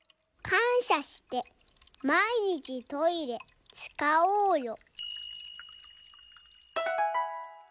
「かんしゃしてまいにちトイレつかおうよ」。